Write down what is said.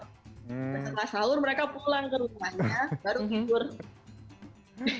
setelah sahur mereka pulang ke rumahnya baru tidur